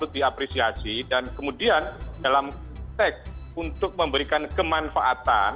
diapresiasi dan kemudian dalam tek untuk memberikan kemanfaatan